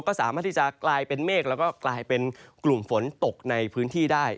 ก็สามารถที่จะกลายเป็นเมฆแล้วก็กลายเป็นกลุ่มฝนตกในพื้นที่ได้